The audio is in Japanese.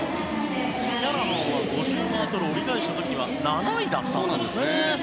オキャラハンは５０ｍを折り返した時は７位だったんですけれどもね。